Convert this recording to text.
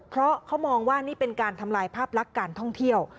เพราะเขามองว่านี่เป็นการทำลายภาพลักษณ์การท่องเที่ยว